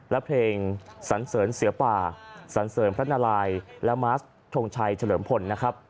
และเพลงสันเสริญเสือป่าสันเสริมพระนารายและมาสทงชัยเฉลิมพลนะครับ